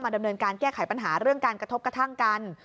ดำเนินการแก้ไขปัญหาเรื่องการกระทบกระทั่งกัน